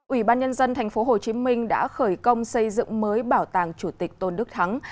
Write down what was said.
ủy ban nhân dân tp hcm đã khởi công xây dựng mới bảo tàng chủ tịch tôn đức thắng